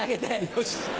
よし。